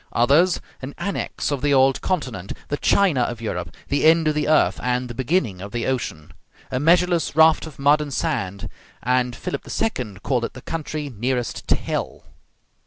Others, an annex of the old continent, the China of Europe, the end of the earth and the beginning of the ocean, a measureless raft of mud and sand; and Philip II. called it the country nearest to hell.